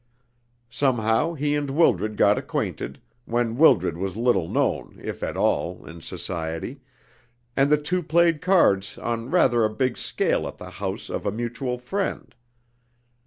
Somehow he and Wildred got acquainted, when Wildred was little known, if at all, in society, and the two played cards on rather a big scale at the house of a mutual friend.